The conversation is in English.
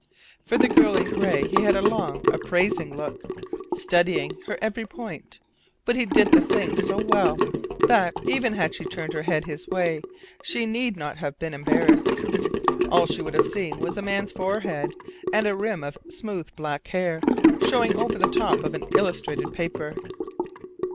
For the girl in gray he had a long, appraising look, studying her every point; but he did the thing so well that, even had she turned her head his way, she need not have been embarrassed. All she would have seen was a man's forehead and a rim of smooth black hair showing over the top of an illustrated paper.